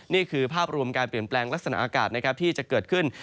นี่คือภาพรวมการเปลี่ยนแปลงลักษณะอากาศนะครับที่จะเกิดขึ้น